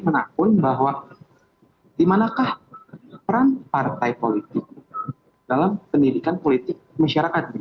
menakutkan bahwa di manakah peran partai politik dalam pendidikan politik masyarakat begitu